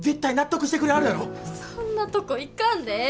そんなとこ行かんでええ！